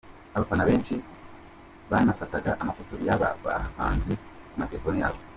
Abafana benshi banafataga amafoto y'aba bahanzi ku matelefoni yabo.